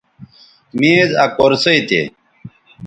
میز آ کرسئ تھے